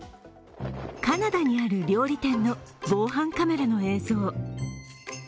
カナダにある飲食店料理店の防犯カメラの映像。